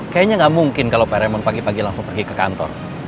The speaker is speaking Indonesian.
kayanya ga mungkin kalaujamu pak raymond langsung pergi ke kantor